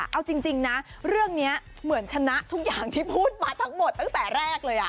เอาจริงนะเรื่องนี้เหมือนชนะทุกอย่างที่พูดมาทั้งหมดตั้งแต่แรกเลย